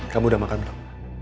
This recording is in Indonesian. kamu udah makan belum